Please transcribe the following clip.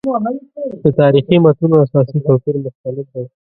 د تاریخي متونو اساسي توپیر مستند دی.